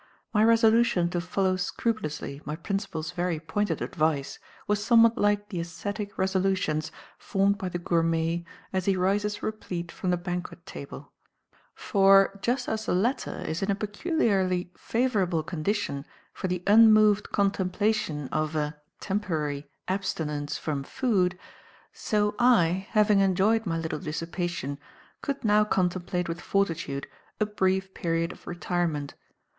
My resolution to follow scrupulously my principal's very pointed advice was somewhat like the ascetic resolutions formed by the gourmet as he rises replete from the banquet table; for, just as the latter is in a peculiarly favourable condition for the unmoved contemplation of a temporary abstinence from food, so I, having enjoyed my little dissipation, could now contemplate with fortitude a brief period of retirement.